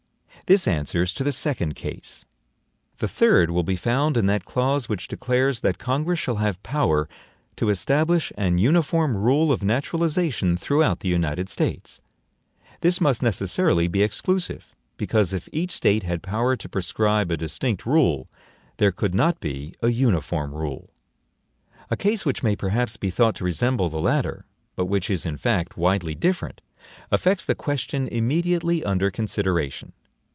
This answers to the second case. The third will be found in that clause which declares that Congress shall have power "to establish an UNIFORM RULE of naturalization throughout the United States." This must necessarily be exclusive; because if each State had power to prescribe a DISTINCT RULE, there could not be a UNIFORM RULE. A case which may perhaps be thought to resemble the latter, but which is in fact widely different, affects the question immediately under consideration.